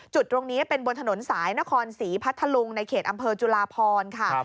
จุดตรงนี้เป็นบนถนนสายนครศรีพัทธลุงในเขตอำเภอจุลาพรค่ะ